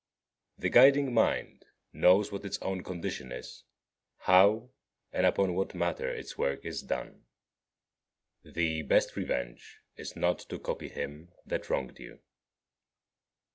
5. The guiding mind knows what its own condition is, how, and upon what matter its work is done. 6. The best revenge is not to copy him that wronged you.